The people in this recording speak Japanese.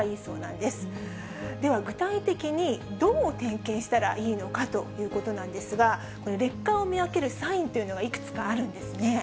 では、具体的に、どう点検したらいいのかということなんですが、劣化を見分けるサインというのがいくつかあるんですね。